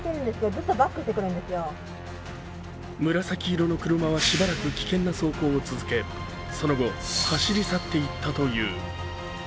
紫色の車はしばらく危険な走行を続け、その後、走り去っていったという。